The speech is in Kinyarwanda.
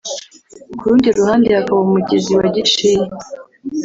ku rundi ruhande hakaba umugezi wa Giciye